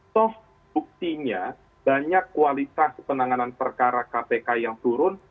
toh buktinya banyak kualitas penanganan perkara kpk yang turun